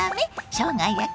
しょうが焼き？